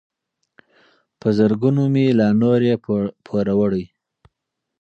په زرګونو مي لا نور یې پوروړی